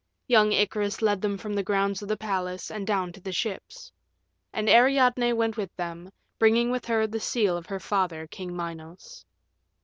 Young Icarus led them from the grounds of the palace and down to the ships. And Ariadne went with them, bringing with her the seal of her father, King Minos.